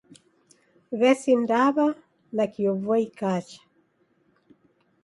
W'esindaw'a nakio vua ikacha.